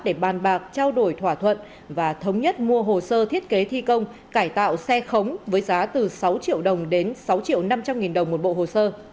để bàn bạc trao đổi thỏa thuận và thống nhất mua hồ sơ thiết kế thi công cải tạo xe khống với giá từ sáu triệu đồng đến sáu triệu năm trăm linh nghìn đồng một bộ hồ sơ